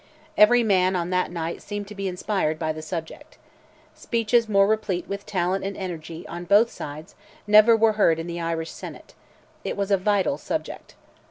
Every man on that night seemed to be inspired by the subject. Speeches more replete with talent and energy, on both sides, never were heard in the Irish Senate; it was a vital subject.